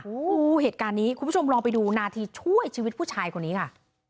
โอ้โหเหตุการณ์นี้คุณผู้ชมลองไปดูนาทีช่วยชีวิตผู้ชายคนนี้ค่ะ